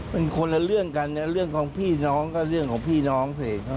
มันคนละเรื่องกันนะเรื่องของพี่น้องก็เรื่องของพี่น้องสิ